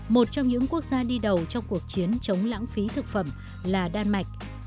một trong những quốc gia đi đầu trong cuộc chiến chống lãng phí thực phẩm là đan mạch